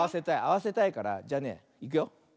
あわせたいからじゃあねいくよ。